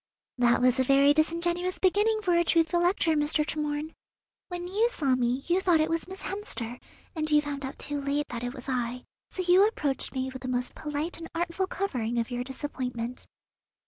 "That was a very disingenuous beginning for a truthful lecture, Mr. Tremorne. When you saw me, you thought it was Miss Hemster, and you found out too late that it was I; so you approached me with the most polite and artful covering of your disappointment."